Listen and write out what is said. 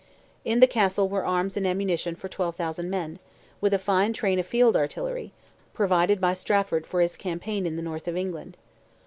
In the Castle were arms and ammunition for 12,000 men, with a fine train of field artillery, provided by Stafford for his campaign in the north of England.